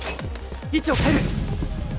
位置を変える！